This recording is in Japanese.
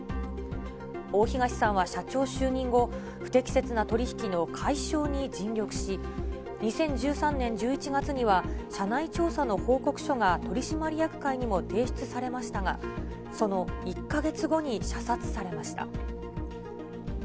大東さんは社長就任後、不適切な取り引きの解消に尽力し、２０１３年１１月には、社内調査の報告書が取締役会にも提出されましたが、その１か月後に射殺されました。